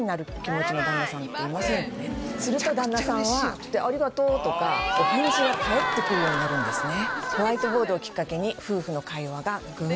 すると旦那さんは「ありがとう」とかお返事が返ってくるようになるんですね